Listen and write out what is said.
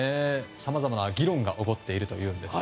さまざまな議論が起こっているというんです。